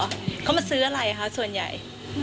หรอเค้ามาซื้ออะไรอะค่ะส่วนใหญ่